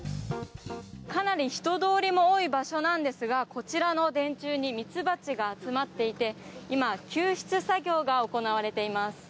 かなり人通りも多い場所なんですがこちらの電柱にミツバチが集まっていて今、救出作業が行われています。